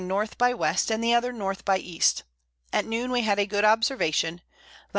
by W. and the other N. by E. At Noon we had a good Observation. Lat.